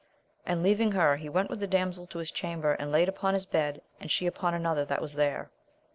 And, leaving her, he went with the damsel to his chamber, and laid upon his bed, and she upon another that was there.